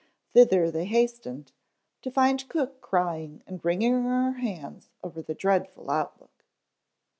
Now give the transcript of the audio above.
Thither they hastened to find cook crying and wringing her hands over the dreadful outlook.